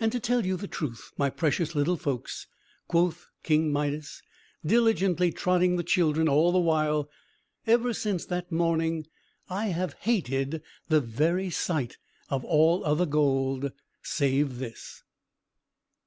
"And to tell you the truth, my precious little folks," quoth King Midas, diligently trotting the children all the while, "ever since that morning, I have hated the very sight of all other gold, save this!"